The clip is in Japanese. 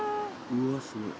うわすごい。